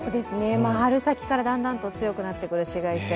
春先からだんだんと強くなってくる紫外線。